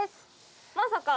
まさか。